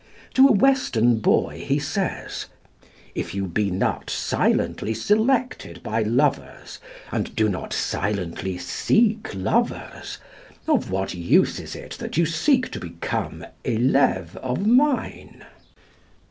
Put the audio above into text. To a Western boy he says: "If you be not silently selected by lovers, and do not silently seek lovers, Of what use is it that you seek to become eleve of mine."